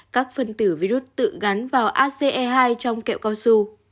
các phần tử virus tự gắn vào ace hai trong kẹo cao su